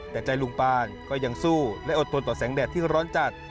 แต่ใจลุงปานก็ยังสู้และอดทนต่อแสงแดดที่ร้อนจัด